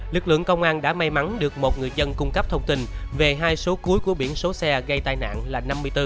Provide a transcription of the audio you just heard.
lực lượng công an đã may mắn được một người dân cung cấp thông tin về hai số cuối của biển số xe gây tai nạn là năm mươi bốn